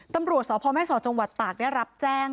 ตำรวจสพแม่สอดจตากรับแจ้ง